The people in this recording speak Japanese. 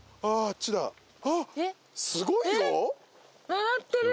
回ってる。